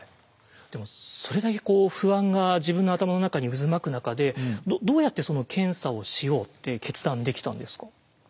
でもそれだけ不安が自分の頭の中に渦巻く中でどうやってその検査をしようって決断できたんですか？